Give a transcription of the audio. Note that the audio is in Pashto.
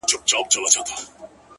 په تدبيرونو کي دې هر وختې تقدير ورک دی’